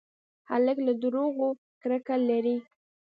هلک له دروغو کرکه لري.